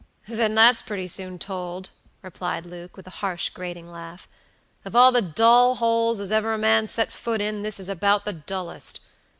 "Then that's pretty soon told," replied Luke, with a harsh, grating laugh. "Of all the dull holes as ever a man set foot in, this is about the dullest.